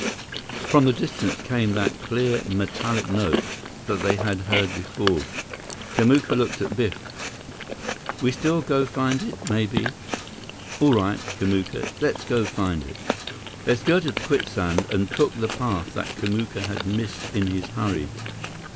From the distance came that clear metallic note that they had heard before. Kamuka looked at Biff. "We still go find it—maybe?" "All right, Kamuka. Let's go find it." They skirted the quicksand and took the path that Kamuka had missed in his hurry.